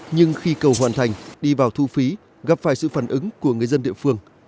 nhưng khi cầu hoàn thành đi vào thu phí gặp phải sự phản ứng của người dân địa phương